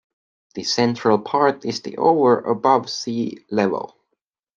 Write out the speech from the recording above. The central part is the over above sea level.